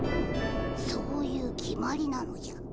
そういう決まりなのじゃ。